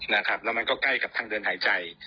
แล้วมันก็ใกล้กับทางเดินหายใจ